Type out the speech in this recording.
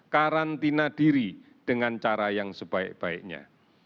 karantina diri dengan cara yang sebaik baiknya